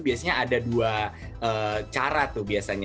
biasanya ada dua cara tuh biasanya